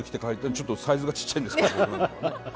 ちょっとサイズがちっちゃいんですけども。